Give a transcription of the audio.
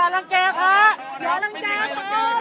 ประเทศวะไหลที่นี่เเล้ย